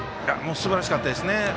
すばらしかったですね。